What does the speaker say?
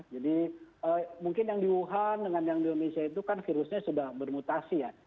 jadi mungkin yang di wuhan dengan yang di indonesia itu kan virusnya sudah bermutasi ya